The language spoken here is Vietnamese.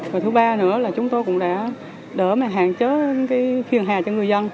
và thứ ba nữa là chúng tôi cũng đã đỡ mà hạn chế phiền hà cho người dân